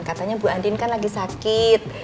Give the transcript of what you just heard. katanya bu andin kan lagi sakit